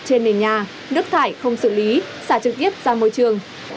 trên nền nhà nước thải không xử lý xả trực tiếp ra môi trường